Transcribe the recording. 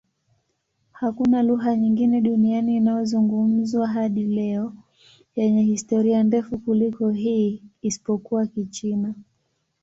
Hakuna lugha nyingine duniani inayozungumzwa hadi leo yenye historia ndefu kuliko hii, isipokuwa Kichina.